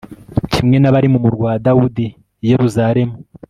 kimwe n'abari mu murwa wa dawudi i yeruzalemu